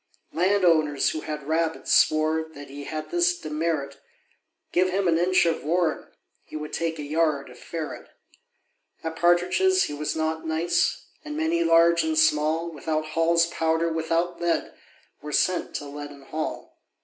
Land owners, who had rabbits, swore That he had this demerit Give him an inch of warren, he Would take a yard of ferret. At partridges he was not nice; And many, large and small, Without Hall's powder, without lead, Were sent to Leaden Hall.